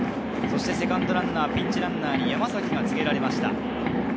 セカンドランナー、ピンチランナーに山崎が告げられました。